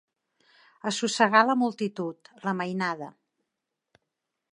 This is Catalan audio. Assossegar la multitud, la mainada.